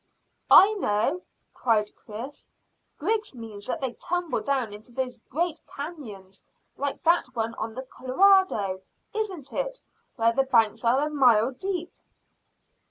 "I know," cried Chris; "Griggs means that they tumble down into those great canons like that one on the Colorado, isn't it, where the banks are a mile deep?"